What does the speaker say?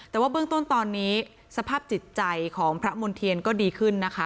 แต่ว่าเบื้องต้นตอนนี้สภาพจิตใจของพระมณ์เทียนก็ดีขึ้นนะคะ